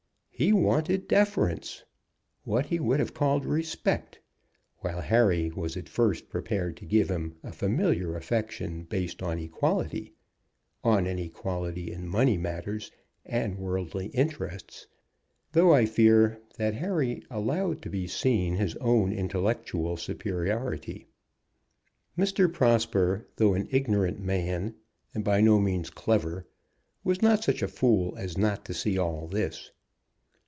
He wanted deference, what he would have called respect; while Harry was at first prepared to give him a familiar affection based on equality, on an equality in money matters and worldly interests, though I fear that Harry allowed to be seen his own intellectual superiority. Mr. Prosper, though an ignorant man, and by no means clever, was not such a fool as not to see all this.